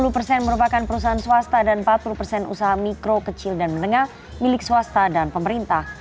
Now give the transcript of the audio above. sepuluh persen merupakan perusahaan swasta dan empat puluh persen usaha mikro kecil dan menengah milik swasta dan pemerintah